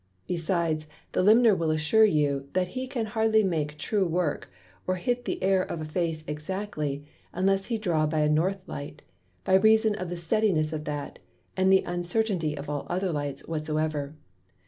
Besides, the Limner will assure you, that he can hardly make true Work, or hit the Air of a Face exactly, unless he draw by a North Light, by reason of the steadiness of that, and the uncertainty of all other Lights whatsoever.